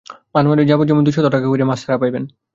বনোয়ারি যাবজ্জীবন দুই শত টাকা করিয়া মাসহারা পাইবেন।